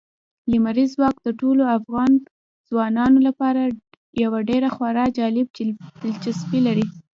لمریز ځواک د ټولو افغان ځوانانو لپاره یوه خورا جالب دلچسپي لري.